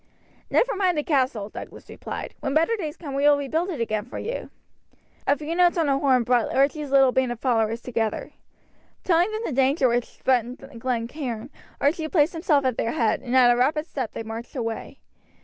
"Never mind the castle," Douglas replied. "When better days come we will rebuild it again for you." A few notes on a horn brought Archie's little band of followers together. Telling them the danger which threatened Glen Cairn, Archie placed himself at their head, and at a rapid step they marched away.